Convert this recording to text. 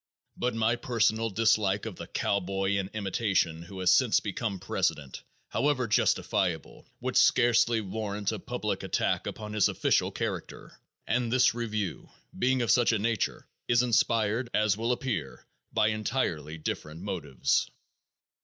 But my personal dislike of the cowboy in imitation who has since become president, however justifiable, would scarcely warrant a public attack upon his official character, and this review, being of such a nature, is inspired, as will appear, by entirely different motives.